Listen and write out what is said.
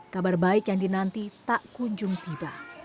kabar baik yang dinanti tak kunjung tiba